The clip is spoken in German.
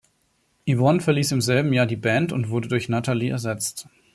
Ivonne verließ im selben Jahr die Band und wurde durch Natalie ersetzt.